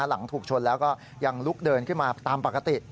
หลังถูกชนแล้วก็ยังลุกเดินขึ้นมาตามปกติ